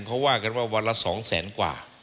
เขาว่ากันว่าวันละ๒แสนกว่า